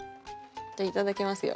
じゃあいただきますよ。